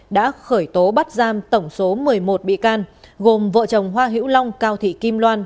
đã khởi tố bắt giam tổng số một mươi một bị can gồm vợ chồng hoa hiễu long cao thị kim loan